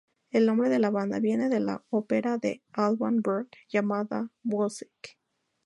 El nombre de la banda viene de la ópera de Alban Berg, llamada Wozzeck.